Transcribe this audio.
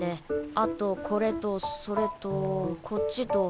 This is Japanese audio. あとこれとそれとこっちと。